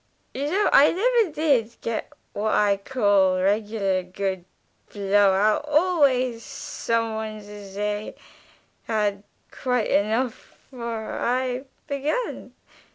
"You know I never did get what I call regular good blow out always some one to shay 'had quite 'nough' 'fore I'd begun.